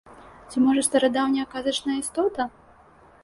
Ці, можа, старадаўняя казачная істота?